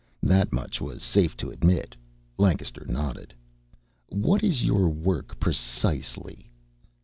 That much was safe to admit. Lancaster nodded. "What is your work, precisely?"